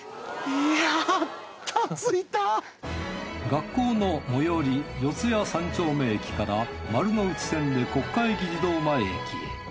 学校の最寄り四谷三丁目駅から丸ノ内線で国会議事堂前駅へ。